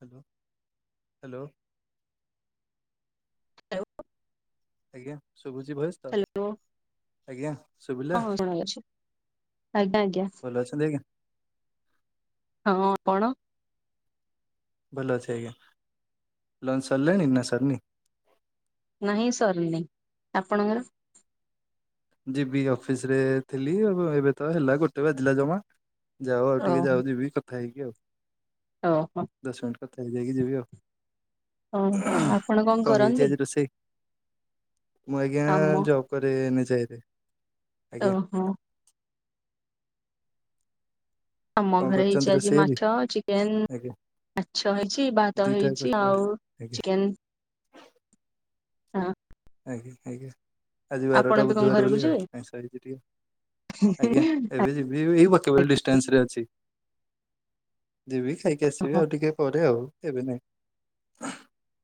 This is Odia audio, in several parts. ହ୍ୟାଲୋ ହ୍ୟାଲୋ ଆଜ୍ଞା ଶୁଭୁଛି ଭୟସ୍ ହ୍ୟାଲୋ ଶୁଭିଲା ହଁ [unintelligible] ଆଜ୍ଞା ଆଜ୍ଞା ଭଲ ଅଛନ୍ତି ଆଜ୍ଞା ହଁ କଣ ଭଲ ଅଛି ଆଜ୍ଞା ଲୋନ ସରିଲାଣି ନା ସାରନି। ନାହିଁ ସରିନି ଆପଣଙ୍କର ଯିବି ଅଫିସରେ ଥିଲି ଆଉ ଏବେ ତ ହେଲା ଗୋଟେ ବାଜିଲା ଜମା। ଯାାଉ ଆଉ ଟିକେ ଓହୋ ଯାଉ ଯିବି କଥା ହେଇକି ଆଉ। ଓହୋ। ଦଶ ମିନିଟ କଥା ହେଇକି ଯିବି ଆଉ। ହଁ ଆପଣ କଣ ହେଇଛି କରନ୍ତି? ଆଜି ରୋଷେଇ ମୁଁ ଆଜ୍ଞା ଆମ ଜବ୍ କରେ [unintelligible] ରେ ଓହୋ। ଆମ କଣ ଘରେ କରିଛନ୍ତି ହେଇଛି ଆଜି ରୋଷେଇ ମାଛ ଚିକେନ ଆଜ୍ଞା ମାଛ ହେଇଛି ଭାତ ଦିଟା ହେଇଛି ଦରକାର ଆଉ ଆଜ୍ଞା ଚିକେନ ହଁ। ଆଜ୍ଞା ଆଜ୍ଞା ଆଜି ଆପଣ ବାରଟା ଏବେ କଣ ବୁଧବାର ଘରକୁ ବୋଲି ଯିବେ? ଆଉ [unintelligible] ଆଜ୍ଞା ଏବେ ଯିବି ଏଇ [unintelligible] ଟେନ୍ସ ରେ ଅଛି। ଯିବ ଖାଇକି ଆସିବି ଓହୋ ଆଉ ଟିକେ ପରେ ଆଉ ଏବେ ନାଇଁ। ଓଃ,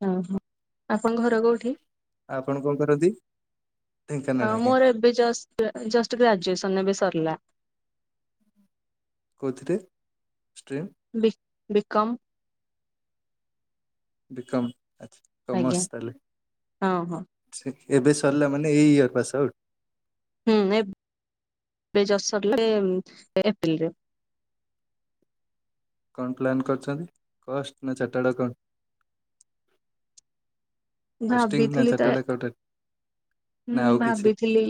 ଓ ହଁ ଆପଣଙ୍କ ଘର କୋଉଠି? ଆପଣ କଣ କରନ୍ତି? ଢେଙ୍କାନାଳ ହଁ ଆଜ୍ଞା ମୋର ଏବେ ଜଷ୍ଟ ଜଷ୍ଟ ଗ୍ରାଜୁଏସନ୍ ଏବେ ସରଲା। କୋଉଥିରେ ଷ୍ଟ୍ରିମ୍? ବି- ବିିକମ୍। ବିକମ୍ ଆଚ୍ଛା ଆଜ୍ଞା କମସ୍ ତାହେଲେ। ହଁ ହଁ ସେ ଏବେ ସରିଲା ମାନେ ଏଇ ଇୟର୍ ପାସ୍ ଆଉଟ୍? ହୁଁ, ଏବ ବେ ଜଷ୍ ସରଲା ଏମ୍ ଏପ୍ରିଲରେ। କଣ ପ୍ଲାନ୍ କରିଛନ୍ତି କଷ୍ଟ ନା ଚାର୍ଟାଡ୍ ନା ଏକାଉଣ୍ଟ? କଷ୍ଟିଙ୍ଗ ନା ଚାର୍ଟଡ୍ ଏକାଉଣ୍ଟେଟ୍? ମୁଁ ଭାବିଥିଲି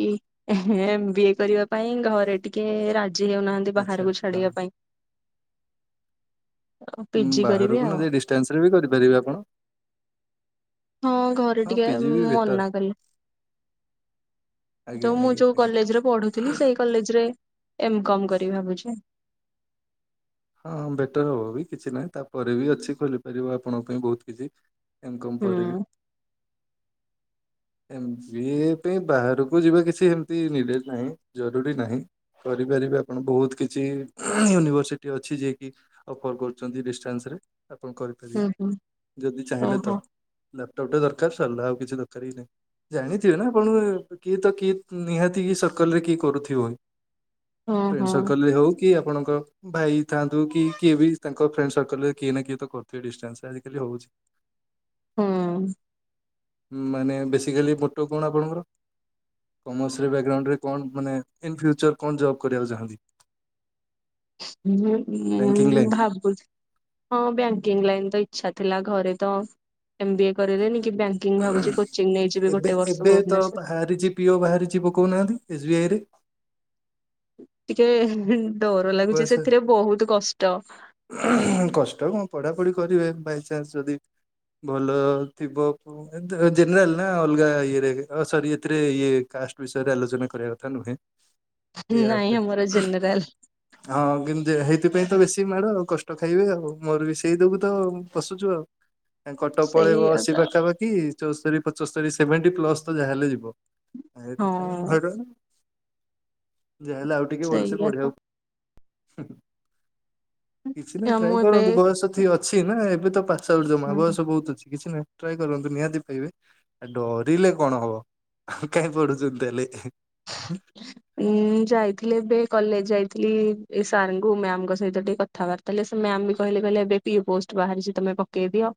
ଏହେ ଏମବିଏ କରିବା ପାଇଁ ଘରେ ଟିକେ ରାଜି ହେଉନାହାନ୍ତି ଆଚ୍ଛା ବାହାରକୁ ଛାଡିବା ପାଇଁ। [inaudible] ଉଁ, ପିଜି କରିବି ବାହାରକୁ ନ ଆଉ ଯାଇ ଡିଷ୍ଟାନ୍ସ ରେ ବି କରିପାରିବେ ଆପଣ। ହଁ ଘରେ ହଁ ଟିକେ ପିଜି ବି ବେଟର ମନା କଲେ। ଆଜ୍ଞା ଯୋଉ ମୁଁ ଆଜ୍ଞା ଯୋଉ ଆଜ୍ଞା। କଲେଜ୍ ରେ ପଢୁଥିଲି ସେଇ କଲେଜ୍ ରେ ଏମ୍ କମ୍ କରିବି ଭାବୁଛି। ହଁ ହଁ ବେଟର୍ ହବ ବି କିଛି ନାହିଁ ତାପରେ ବି ଅଛି ଖୋଲି ପାରିବ ଆପଣଙ୍କ ପାଇଁ ବହୁତ କିଛି। ଏମକମ୍ ହୁଁ ପରେବି। ଏମବିଏ ପାଇଁ ବାହାରକୁ ଯିବା କିଛି ଏମିତି ନିଡେଡ୍ ନାହିଁ ଜରୁରୀ ନାହିଁ। କରିପାରିବେ ଆପଣ ବହୁତ କିଛି ୟୁନିଭର୍ସି ଟି ଅଛି ଯିଏ କି ଅଫର୍ କରୁଛନ୍ତି ଡିସଟାନ୍ସ ରେ। ଆପଣ କରି ହୁଁ ହୁଁ ପାରିବେ ଯଦି ଚାହିଁଲେ ଓହୋ ତ। ଲାପଟପ୍ ଟା ଦରକାର, ସରିଲା ଆଉ କିଛି ଦରକାର ହି ନାହିଁ। ଜାଣିଥିବେ, ନା ଆପଣ କିଏ ତ କିଏ ନିହାତି କି ସର୍କଲ୍ ରେ କିଏ କରୁଥିବ। ହଁ ଫେଣ୍ଡ ହଁ। ସର୍କଲେ ହଉ କି ଆପଣଙ୍କ ଭାଇ ଥାଆନ୍ତୁ କି କିଏ ବି ତାଙ୍କ ଫ୍ରେଣ୍ଡ ସର୍କଲ୍ ରେ କିଏ ନା କିଏ ତ କରୁଥିବେ ଡିଷ୍ଟାନ୍ସ ଆଜିକାଲି ହଉଛି। [unintelligible] ହଁ। ମାନେ ବେସିକାଲି ମଟୋ କଣ ଆପଣଙ୍କର? କମର୍ସରେ ବ୍ୟାଗ୍ରାଉଣ୍ଡରେ କଣ, ମାନେ ଇନ ଫ୍ୟୁଚର୍ କଣ ଜବ୍ କରିବାକୁ ଚାହାଁନ୍ତି? ଯେ ବ୍ୟାଙ୍କିଙ୍ଗ ମୁଁ ଲାଇନ୍ ଭାବୁଛି। ହଁ ବ୍ୟାଙ୍କିଙ୍ଗ୍ ଲାଇନ୍ ତ ଇଚ୍ଛା ଥିଲା, ଘରେ ତ ଏମବିଏ କରେଇଲେନି କି ବ୍ୟାଙ୍କ କି ମୁଁ ଭାବୁଛି କୋଚିଂ ନେଇଯିବି ଏବେ ଗୋଟେ ବର୍ଷ ଏବେ ତ ଭୁବନେଶ୍ୱର। ବାହାରିଛି ପିଓ ବାହାରିଛି ପକଉନାହାନ୍ତି ଏସବିଆଇ ରେ। ଟିକେ ଡର ଲାଗୁଚି, ବସ୍ ସେଥିରେ ବହୁତ କଷ୍ଟ। କଷ୍ଟ କଣ ପଢ଼ାପଢ଼ି କରିବେ ବାଇଚାନ୍ସ ଯଦି ଭଲ ଥିବ [inaudible] ଉ, ଏମତି ଓ ଜେନେରାଲ ନା ଅଲଗା ଇଏ ରେ ଓ ସରି ଏଥିରେ ଇଏ କାଷ୍ଟ ବିଷୟରେ ଆଲୋଚନା କରିବା କଥା ନୁହେଁ। ଏଇ ଆପ୍ ନାଇଁ ରେ। ଆମର ଜେନେରାଲ। ହଁ କିନ୍ତୁ ହେଇଥିପାଇଁ ତ ବେଶ ଶୀ ମାଡ଼ ଆଉ କଷ୍ଟ ଖାଇବେ, ଆଉ ମୋର ବି ସେଇ ଯୋଗୁ ତ ମୁଁ ପଶୁଛୁ ଆଉ। ଏଁ କଟକ ପଳେଇବ ସେଇଆ ସେଇ ତ ପାଖାପାଖ କି ଚଉସ୍ତରୀ ପଚସ୍ତରୀ ସେଭେଣ୍ଟି ପ୍ଲସ୍ ତ ଯାହାହେଲେ ଯିବ ଆଉ ସେଇଥିପାଇଁ ହଁ ହଲାନି। ଯାହେଲେ ଆଉ ଟିକେ, ଭଲ ସେ ସେଇଆ ତ ପଢିବାକୁ ହୁଁ, ହୁଁ କିଛି ନାହିଁ ଆ, ଟ୍ରାଏ ମୁଁ ଏବେ କରନ୍ତୁ, ବୟସ ଥି- ଅଛି ନା, ଏବେ ତ ପାସ୍ ଆଉଟ୍ ଜମା ବୟସ ବହୁତ ଅଛି, କିଛି ନାହିଁ। ଟ୍ରାଏ କରନ୍ତୁ ନିହାତି ପାଇବେ। ଡରିଲେ କଣ ହବ ଆଉ କାଇ ପଢୁଛନ୍ତି ତାହେଲେ? ହୁଁ [unintelligible] ଉଁ ଯାଇଥିଲି ଏବେ କଲେଜ ଯାଇଥିଲି। ଏ ସାର୍ ଙ୍କୁ ମ୍ୟାମଙ୍କ ସହିତ ଟିକେ କଥାବାର୍ତ୍ତା ତାହେଲେ ସେ ମ୍ୟାମ୍ ବି କହିଲେ କହିଲେ ପିଏ ପୋଷ୍ଟ ବାହାରିଛି, ତମେ ପକେଇଦିଅ।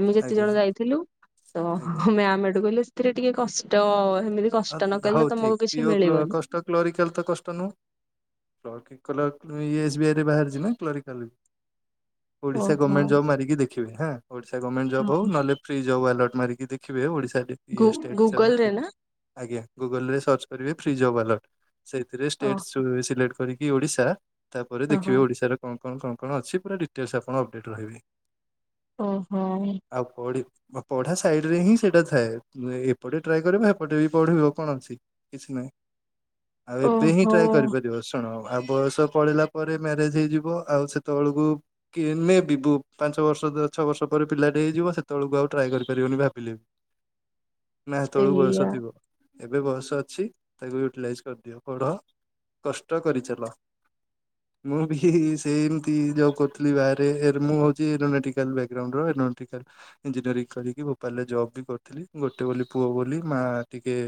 ଆମେ ଯେତେ ଆଜ୍ଞା ଜଣ ଯାଇଥିଲୁ ତ ଆଜ୍ଞା। ମ୍ୟାମ୍ ହେଟୁ କହିଲେ ଏଥିରେ ଟିକେ କଷ୍ଟ ଏମିତିରେ କଷ୍ଟ ନ କଲେ ତ ତମକୁ କିଛି ମିଳିବନି। ତ କ୍ଲୋରିକାଲ ତ କଷ୍ଟ ନୁହେଁ। କ୍ଲାସିକାଲର ଇ ଏସ୍ ବି ଆଇ ରେ ବାହାରି ନାଁ କ୍ଲରିକାଲ। ଓଡିଶା ଓହୋ ଗମେଣ୍ଟ ଜବ୍ ମାରିକି ଦେଖିବେ ହାଁ, ଓଡିଶା ଗମେଣ୍ଟ ଜବ୍ ହଉ ଓହୋ। ନହଲେ ଫ୍ରି ଜବ୍ ଆଲଟ୍ ମାରିକି ଦେଖିବେ ଓଡିଶାରେ। ଗୁ ଗୁଗଲ୍ ରେ ନା? ଆଜ୍ଞା ଗୁଗୁଲ ରେ ସର୍ଚ୍ଚ କରିବେ ଫ୍ରିଜ ୱାଲଟ୍ ସେଥିରେ ଓ ଷ୍ଟେଟସ୍ ସିଲେକ୍ଟ କରିକି ଓଡିଶା, ତାପରେ ଓହୋ ଦେଖିବେ ଓଡିଶାର କଣ, କଣ, କଣ, କଣ, ଅଛି ପୁରା ଡିଟେଲ୍ପ ଆପଣ ଅପଡେଟ୍ ରହିବେ। ଓମ୍ ହରି। ଆଉ ପଢ଼ି ପଢ଼ା ସାଇଡ ରେ ହିଁ ସେଇଟା ଥାଏ। ଏପଟେ ଟ୍ରାଏ କରିବା ହେପଟେ ବି ପଢ଼ିବ କଣ ଅଛି କିଛି ନାଇ, ଆଉ ଏବେ ହିଁ ଟ୍ରାଏ ଓହୋ। କରିପାରିବ। କଣ ହବ ଆଉ ବୟସ ପଳେଇଲା ପରେ ମ୍ୟାରେଜ ହେଇଯିବ। ଆଉ ସେତେବେଳେକୁ କି ନେବିିବୁ ପାଞ୍ଚ ବର୍ଷ ଛଅ ବର୍ଷ ପରେ ପିଲାଟେ ହେଇଯିବ। ସେତେବେଳକୁ ଆଉ ଟ୍ରାଏ କରିପାରିବନି ଭାବିଲେ ବି। ନାଁ ହେତବେଳକୁ ସେଇଆ ବୟସ ଥିବ। ଏବେ ବୟସ ଅଛି। ତାକୁ ୟୁଟିଲାଇଜ କରିଦିଅ ପଢ଼ କଷ୍ଟ କରିଚାଲ। [inaudible] ମୁଁ ବି ସେମତି ଜବ୍ କରୁଥିଲି ବାହାରେ ମୁଁ ହଉଛି ଏରୋନେଟିକାଲ୍ ବ୍ୟାଗରାଉଣ୍ଡ ର ଏରୋନେଟିକାଲ୍ ଇଞ୍ଜିନିୟରିଂ କରିକି ଭୋପାଳ ରେ ଜବ୍ ବି କରିଥିଲି। ଗୋଟେ ବୋଲି ପୁଅ ବୋଲି ମା ଟିକେ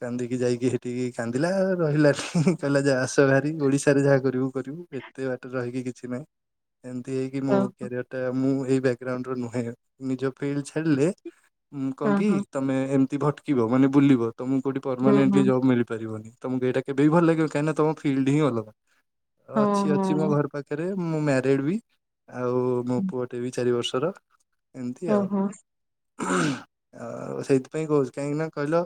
କାନ୍ଦିକି ଯାଇକି ସେଠିକି କାନ୍ଦିଲା ରହିଲା ନି, କହିଲା ଯା ଆସ ବାହାରି ଓଡିଶାରେ ଯାହା କରିବୁ କରିବୁ। ଏତେ ବାଟରେ ରହିକି କିଛି ନାହିଁ। ଏମିତି ହେଇକି ମୋ ଓ କ୍ୟାରିୟର ଟା ମୁଁ ଏଇ ବ୍ୟାକଗ୍ରାଉଣ୍ଡ ନୁହେଁ ନିଜ ଫିଲ୍ଡ ଛାଡିଲେ ମୁଁ କଣ ହଁ କିି ହଁ ତମେ ଏମିତି ଭଟକିବ ମାନେ ବୁଲିବ, ତମକୁ କୋଉଠି ହୁଁ ହୁଁ ପରମାନେଣ୍ଟଲି ଜବ୍ ମିଳିପାରିବନି। ତମକୁ ଏଇଟା କେବେ ବି ଭଲ ଲାଗିବନି, କାହିଁକି ନା ତମ ଫିଲ୍ଡ ହିଁ ଅଲଗା ହଁ ଅଛି ଅଛି ମୋ ହଁ। ଘର ପାଖରେ ପାଖରେ ମୁଁ ମ୍ୟାରିଡ ବି ଆଉ ମୋ ପୁଅଟେ ବି ଚାରି ବର୍ଷର। ଏମିତି ଓହୋ ଆଉ ଆଉ ସେଇଥିପାଇଁ କହୁଛି କାହିଁକି ନା କହିଲ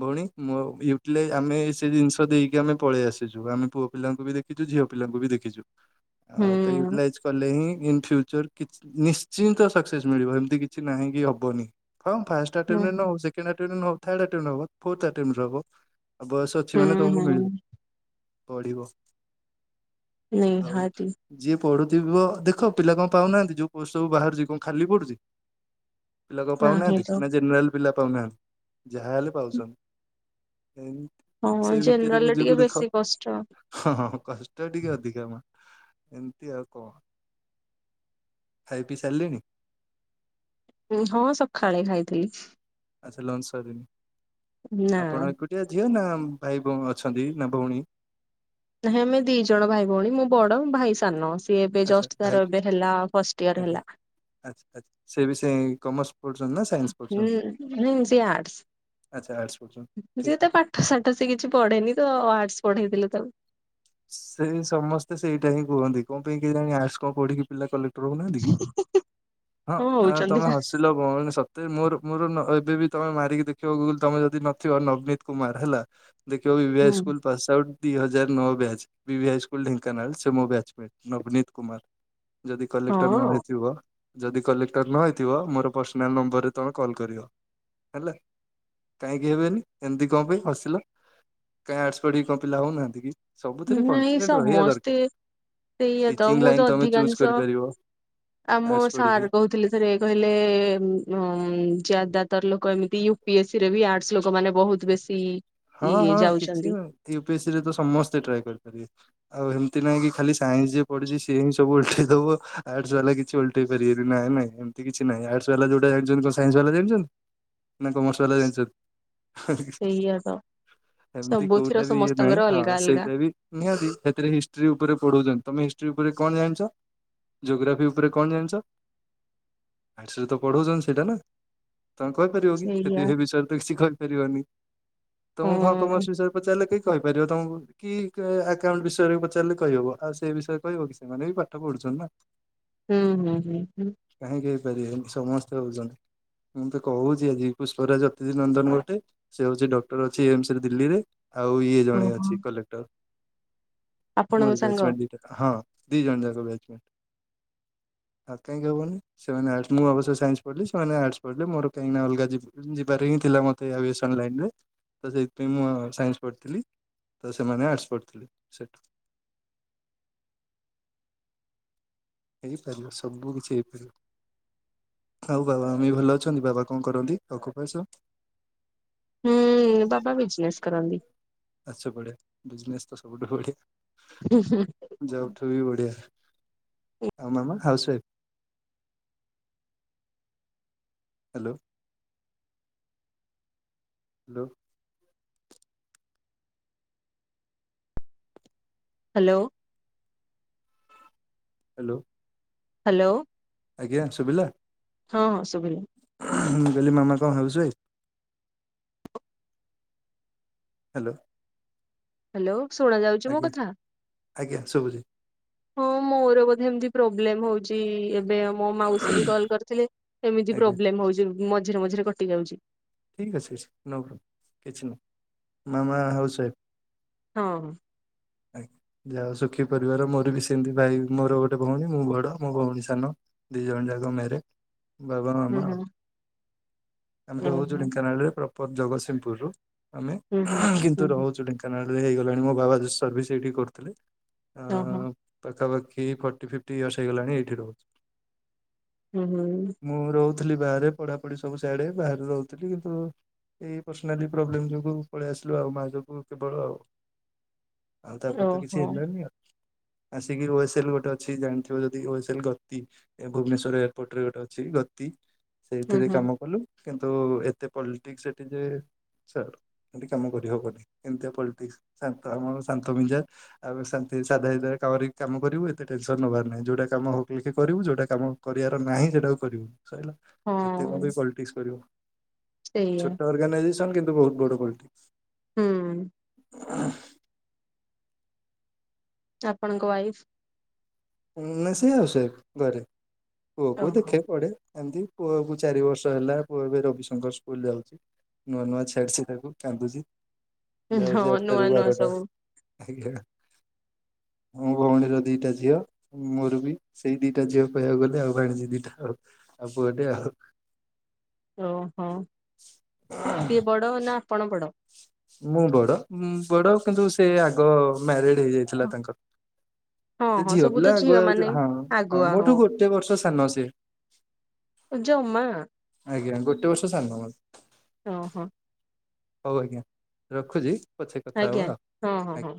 ଭଉଣୀ ମୋ ୟୁଟିଲାଇଜ ଆମେ ସେ ଜିନିଷ ଦେଇକି ଆମେ ପଳେଇ ଆସିଛୁ ଆମେ ପୁଅ ପିଲାଙ୍କୁ ବି ଦେ ଖିଛୁ ଝିଅ ପିଲାଙ୍କୁ ବି ଦେଖିଛୁ ହୁଁ ଆଉ ତ ୟୁଟିଲାଇଜ କଲେ ହିଁ ଇନ୍ ଫ୍ୟୁଚର ନିଶ୍ଚିନ୍ତ ସକ୍ସେସ୍ ମିଳିବ ଏମିତି କିଛି ନାହିଁକି କି ହବନି କଣ ଫାଷ୍ଟ ଆଟେମଣ୍ଟରେ ନ ହୁଁ ସେକ ଣ୍ଡ ଆଟେଣ୍ଟ ରେ ନ ହଉ ଥାର୍ଡ ଆଟେଣ୍ଟ ରେ ହବ ବୟସ ଅଛି ମାନେ ତମକୁ ମିଳିବ। ହୁଁ ପଢ଼ିବ ଆଉ ନିହାତି ଯିଏ ପଢ଼ୁଥିବା ଦେଖ ପିଲା କଣ ପାଉନାହାନ୍ତି, ଯୋଉ ପୋଷ୍ଟ ସବୁ ବାହାରୁଛି କଣ ଖାଲି ପଡ଼ୁଚି? ପିଲା କଣ ନାହିଁ ପାଉନାହାନ୍ତି? ତ ନା ଜେନେରାଲ ପିଲା ପାଉନାହାନ୍ତି? ଯାହା ହେଲେ ପାଉଛନ୍ତି। ହଁ ସେଇ ଭିତରେ ଜେନେରାଲରେ ନିଜକୁ ଟିକେ ଦେଖ ବେଶୀ କଷ୍ଟ। ହଁ କଷ୍ଟ ଟିକେ ଅଧିକା ମା ଏମତି ଆଉ କଣ। ଖାଇ ପିଇ ସାରିଲେନି? ଉଁ ହଁ ସକାଳେ ଖାଇଥିଲି। ଆଚ୍ଛା ଲଞ୍ଚ ସରିନି, ନା ଆପଣ ଏକୁଟିଆ ଝିଅ ନା ଭାଇଭଉ ଅଛନ୍ତି ନା ଭଉଣୀ? ନାହିଁ ଆମେ ଦି ଜଣ ଭାଇ ଭଉଣୀ ମୁଁ ବଡ ଭାଇ ସାନ। ସିଏ ଏବେ ଆଚ୍ଛା ଜଷ୍ଟ ଭାଇ ତାର ଏବେ ହେଲା ଫାଷ୍ଟ ଇୟର ହେଲା। ଆ ସେ ବି ସେ କମର୍ସ ପଢୁଛନ୍ତି ନା ସାଇନ୍ସ? ହୁଁ ପଢୁଛନ୍ତି ହଁ ସେ ଆଚ୍ଛା ଆର୍ଟସ ପଢୁଛନ୍ତି। ଆର୍ଟ୍ସ। ଠିକ ସିଏ ତ ପାଠ ସାଠ ସ ସେ କିଛି ପଢେନି ତ ଆର୍ଟସ ପଢେଇଥିଲେ ତାକୁ। ସେଇ ସମସ୍ତେ ସେଇଟା ହିଁ କୁହନ୍ତି କଣ ପାଇଁ କିହି ଜାଣି ଆସ କଣ କଠିକି ପିଲା କଲେ ହଉ ନାହାନ୍ତି କି ହଁ ଆ ତମେ ହସି ସତେ ମୋର ମୋର ଏବେ ବି ତମେ ମାରିକି ଦେଖିବ ଗୁଗୁଲ ତମେ ଯଦି ନଥିବ ନବନୀତ କୁମାର ହେଲା ଦେଖିବଭି ଆଇ ନା ହୁଁ ସ୍କୁଲ ପାସ୍ ଆଉଟ୍ ଦି ହଜାର ନଅ batch. BV high school Dhenkanal ସେ ମ ବ୍ୟାଚମେଟ ନବନୀତ କୁମାର। ଯଦି କଲେକ୍ଟର ହଁ ନହଇଥିବ ଯଦି କଲେକ୍ଟର ନହଇଥିବ ମୋର ପର୍ସନାଲ ନମ୍ବରରେ ତମେ କଲ୍ କରିବ ହେଲା। କାହିଁକି ହେବେନି ଏମିତି କଣ ପାଇଁ ହସିଲ କାଇଁ ଆସ ପିକି କଣ ପିଲା ହଉନାହାନ୍ତି କି? ସବୁଥିରେ ନାଇଁ କନଫିଡେଣ୍ଟ ରହିବା ସମସ୍ତେ ଦରକାର ସେଇଆ ତ ଟିଚିଂ ମୁଁ ତ ଲାଇନ୍ ତମେ ଚୁଜ୍ ଅଧିକାଂଶ କରିପାରିବ। ଆମ ଆର୍ଟସ ସାର୍ ପଢିକି କହୁଥିଲେ ରେ କହିଲେ ଯାଦା ତର ଲୋକ ଏମିତି ୟୁପି ଏସ୍ ସ ରେ ବି ଆର୍ଟସ ଲୋକ ମାନେ ବହୁତ ବେଶୀ। ସେ ଇଏ ଯାଉଛନ୍ତି। ୟୁପିଏସି ରେ ତ ସମସ୍ତେ ଟ୍ରାଏ କରିପାରିବେ। ଆଉ ଏମିତି ନାହିଁ କି ଖଲି ସାଇନ୍ସ ଯିଏ ପଢୁଛି ସିଏ ହିଁ ସବୁ ଓଲ୍ଟେ ଇଦବ ଆର୍ଟସ ବାଲା କିଛି କିଛିଲଟେଇ ପାରିବନି ନାଇ ନାଇଁ ଏମତି କିଛି ନାହିଁ ଆର୍ଟସ ବାଲା ଯୋଉଟାାଇଛନ୍ତି କଣ ସାଇନ୍ସ ବାଲା ଜାଣିଛନ୍ତି? ନା କାମର୍ସବାଲା ଜାଣିଛନ୍ତି? ସେଇଆତ। ଏମିତି କୋଉଟା ବି ଇଏ ନାହିଁ ଅଲଗା ହଁ ଅଲଗା ସେଇଟା ବି ନିହାତି ସେଥିରେ ହିଷ୍ଟି ଉପରେ ପଢଉଛ ତମେ ହିଷ୍ଟ୍ରି ଉପରେ କଣ ଜାଣିଛ? ଯୋଗ୍ରାଫି ଉପରେ କଣ ଜାଣିଛରେ ତ ପଢଉଛନ୍ତି ସେଇଟା ନା ତମେ କହିପାରିବ କି ସେଇଆ କଷତି ବିଷୟରେ ତ କିଛି କହିପାରିବନି। ହଁ ତମକୁ ଘଁ କମର୍ସ ବିଷୟରେ ପଚାରିଲେ କେହି କହିପାରିବ ତମକୁ କି ଆକାଉଣ୍ଟ ବିଷୟରେ ପଚାରିଲେ କ କହିହିବବ ଆଉ ସେ ବିଷୟରେ କହିବ କି ସେମାନେ ବି ପାଠ ପଢୁଛନ୍ତି ନା। ହୁଁ ହୁଁ ହୁଁ ହୁଁ। କାହିଁକି ହେଇପାରିବେନି ସମସ୍ତେ ହଉଛନ୍ତି। ମୁଁ ତ କହୁଛି ଆଜି ପୁଷ୍ପରାଜ ଅତିଥି ନନ୍ଦନ ଗୋଟେ। ସେ ହଉଚି ଡକ୍ଟର ଅଛି ଏମସରେ ଦିଲ୍ଲୀରେ। ଆଉ ଇଏ ଜଣେ ଓହୋ ଅଛି କଲେକ୍ଟର। ଆପଣଙ୍କ ମୋରି ସାଙ୍ଗ ବେଚମେଣ୍ଟ ଦିଟାକା ହଁ ଦି ଜଣ ଯାକ ବେଚମେଣ୍ଟ। ଆତ କାହିଁକି ହବନି। ସେମାନେ ଆଡସ ମୁଁ ଅବଶ୍ୟ ସାଇନ୍ସ ପଢିଲି। ସେମାନେ ଆଡସ ପଢିଲେ। ମୋର କାହିଁକିନା ଅଲଗା ଯିବ ଉଁ ଯିବାରେ ହିଁ ଥିଲା ମତେ ଆବିଏସ ଟନ୍ ଲାଇନରେ ତ ସେଇଥିପାଇଁ ମୁଁ ଆ ସାଇନ୍ସ ପଢ଼ିଥିଲି। ତ ସେମାନେ ଆଡସ ପଢ଼ିଥିଲି ସେଠୁ ହେଇପାରିବ ସବୁ କିଛି ହେଇପାରିବ। ଆଉ ବାବା ମମି ଭଲ ଅଛନ୍ତି। ବାବା କଣ କରନ୍ତି? ଅକୁ ପାସ ହୁଁ ବାବା ବିଜନେସ କରନ୍ତି। ଆଛ ପଡ଼େ ବିଜନେସ୍ ତ ସବୁଠୁ ବଢିଆ। ଉଁ ହୁଁ। ଜବଠୁ ବି ବଢିଆ। ଆଉ ମାମା housewife? Hello. Hello hello. Hello. Hello. ଆଜ୍ଞା ଶୁଭିଲା ହଁ ଶୁଭିଲା ମୁଁ କହିଲି ମାମା କଣ ହାଉସୱାଇଫ୍? ହ୍ୟାଲୋ। ହ୍ୟାଲୋ ଶୁଣା ଯାଉଚି ମୋ ଆଜ୍ଞା କଥା? ଆଜ୍ଞା ଶୁଭୁଛି ହଁ ମୋର ବୋଧେ ଏମିତି ପ୍ରୋବଲେମ୍ ହଉଚି ଏବେ ଆମ ମୋ ମାଉସୀ ବି କଲ କରିଥିଲେ ଏମିତି ଆଜ୍ଞା ପ୍ରୋବଲେମ ହଉଚି ମଝିରେ ମଝିରେ କଟି ଯାଉଚି। ଠିକ୍ ଅଛି ନୋ ପ୍ରୋ କିଛି ନୁହଁ। ମାମା ହାଉସ୍ ୱାଇଫ୍? ହଁ। ଆଜ୍ଞା। ଯାହା ହଉ ସୁଖୀ ପରିବାର। ମୋର ବି ସେମିତି ଭାଇ ମୋର ଗୋଟେ ଭଉଣୀ ମୁଁ ବଡ ମୋ ଭଉଣୀ ସାନ। ଦି ଜଣ ଯାକ ମେରେଡ ବାବା ହୁଁ ମାମା ଆଉ। ହୁଁ ଆମେ ରହୁଚୁ ଓହୋ ଢେଙ୍କାନାଳରେ ପ୍ରପର ଜଗତସିଂହପୁରରୁୁ ଆମେ ହୁଁ ହୁଁ ଉଁ ହୁଁ କିନ୍ତୁ ହୁଁ ରହୁଚୁ ଢେଙ୍କା କାନାଳରେ ହେଇଗଲାଣି ମୋ ବାବା ସ ସର୍ଭିସ୍ ସେଇଠି କରୁଥୁଲେ। ଆଁ ଓହୋ ଉଁ ପାଖାପାଖି ଫୋର୍ଟି ଫିଫ୍ଟି ଇୟରର୍ସ ହେଇଗଲାଣି ଏଇଠି ରହୁଚୁ। ହୁଁ-ହୁଁ। ମୁଁ ରହୁଥିଲି ବାହାରେ। ପଢାପଢି ସବୁ ସାଆଡେ ବାହାରେ ରହୁଥିଲି କିନ୍ତୁ ଏଇ ପର୍ସନାଲି ପ୍ରୋବ୍ଲେମ ଯୋଗୁ ପଳେଇ ଆସିଲୁ ଆଉ ମା ଯୋଗୁ କେବଳ ଆଉ। ଆଉ ତାପରେ ତ କିଛି ଓହୋ। ହେଲାନି ଆଉ। ଆସିକି ଓଏସେଲ ଗୋଟେ ଅଛି ଜାଣିଥିବ ଯଦି ଓଏସେଲ ଗତି ଏ ଭୁବନେଶ୍ୱରେ ଏପଟରେ ଗୋଟେ ଅଛି ଗ ତି ହୁଁ ସେଇଥିରେ ହୁଁ କାମ କଲୁ କିନ୍ତୁ ଏତେ ପଲଟିକସ ହେଟୀ ଯେ ଛାଡ ହେଠି ତି କାମ କରିହବନି ଏମତିଆ ପଲଟିକ୍ସ ଶାନ୍ତ ଆମେ ଶାନ୍ତ ମିଜାଜ। ଆମେ ଶାନ୍ତି ସାଧା ସିଧାରେ କରିକ କାମ କରିବୁ ଏତେ ଟେନସନ ନବାର ନାହିଁ। ଯୋଉଟା କାମ ହଉ କି ଲିକି କରିବୁ ଯୋଉଟା କାମ କରିବାର ନାହିଁ ସେଇଟାକୁ କରିବୁ ସଇଲା। ଏତେ କଣ ହଁ ପାଇଁ ପଲିଟିକ୍ସ କରିବୁ। ସେଇଆ ଛୋଟ ଅର୍ଗାନାଇଜେସନ କିନ୍ତୁ ବହୁତ ବଡ ପଲିଟିକ୍ସ। ହୁଁ। ଆପଣଙ୍କ ୱାଇଫ୍। ଉଁ ନା ସେ ହାଉସ ୱାଇଫ ଘରେ ପୁଅ କୁ ଓହୋ। ଦେଖେ ପଢେ। ଏମିତି ପୁଅ କୁ ଚାରି ବର୍ଷ ହେଲା। ପୁଅ ଏବେ ରବିଶଙ୍କର ସ୍କୁଲ ଯାଉଚି। ନୂଆ-ନୂଆ ଛାଡଛି ତାକୁ କାନ୍ଦୁଚି ଯାଉଚି ହଁ ଆଟା ନୂଆ ରୁ ନୂଆ ବାରଟା। ସବୁ ଆଜ୍ଞା ମୋ ଭଉଣୀର ଦିଟା ଝିଅ। ମୋର ବି ସେଇ ଦିଟା ଝିଅ କହିବାକୁ ଗଲେ ଆଉ ବାଣିଜୀ ଦିଟା ଆଉ। ଆଉ ପୁଅଟେ ଆଉ। ଓହୋ କିଏ ବଡ଼ ନା ଆପଣ ବଡ଼? ମୁଁ ବଡ ଉଁ ବଡ କିନ୍ତୁ ସେ ଆଗ ମ୍ୟାରେଡ ହେଇଯାଇଥିଲା ତାଙ୍କର। ହଁ ସେ ହଁ ଝିଅ ସବୁ ତ ପିଲା ଆଗୁଆ ମାନେ ଯ ହଁ-ହଁ ଆଗୁଆ ହଁ ମୋଠୁ ଗୋଟେ ବର୍ଷ ସାନ ସେ। ଜମା ଆଜ୍ଞା ଗୋଟେ ବର୍ଷ ସାନ ମୋ ଓହୋ। ହଉ ଆଜ୍ଞା। ରଖୁଚି। ଆଜ୍ଞା ହଁ ହଁ ହଁ।